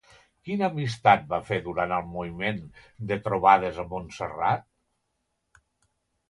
Quina amistat va fer durant el moviment de Trobades a Montserrat?